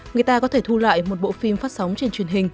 người ta có thể thu lại một bộ phim phát sóng trên truyền hình